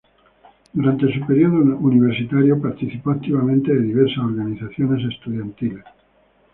Durante su período universitario participó activamente de diversas organizaciones estudiantiles.